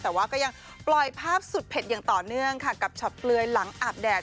แต่ว่าก็ยังปล่อยภาพสุดเผ็ดอย่างต่อเนื่องค่ะกับช็อตเปลือยหลังอาบแดด